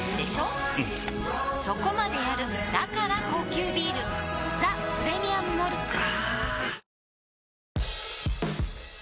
うんそこまでやるだから高級ビール「ザ・プレミアム・モルツ」